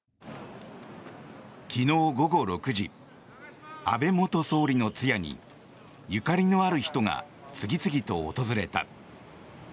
昨日午後６時安倍元総理の通夜にゆかりのある人が次々と訪れた。